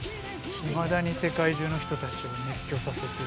いまだに世界中の人たちを熱狂させてる。